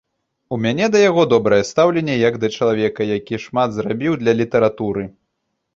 У мяне да яго добрае стаўленне, як да чалавека, які шмат зрабіў для літаратуры.